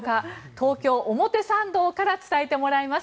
東京・表参道から伝えてもらいます。